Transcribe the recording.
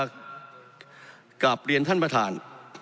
กลับเรียนท่านประธาน